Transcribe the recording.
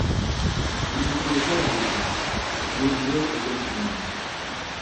Il ne connaît pas la réponse… Mais il veut être comme tout le monde.